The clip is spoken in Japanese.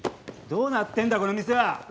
どうなってんだこの店は？